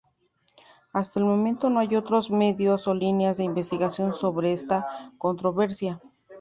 Hasta el momento no hay otros medios o líneas de investigación sobre esta controversia.